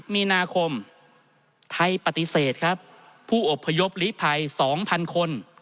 มีนาคมไทยปฏิเสธครับผู้อบพยพลีภัย๒๐๐คน